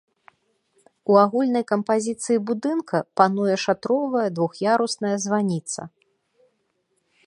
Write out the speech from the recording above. У агульнай кампазіцыі будынка пануе шатровая двух'ярусная званіца.